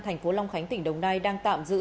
tp hcm tỉnh đồng nai đang tạm giữ